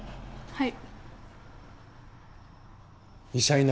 はい。